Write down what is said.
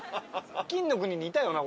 金の国にいたよな？